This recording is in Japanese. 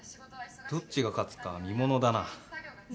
どっちが勝つか見ものだな。ね。